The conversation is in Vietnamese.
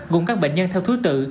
gồm các bệnh nhân theo thứ tự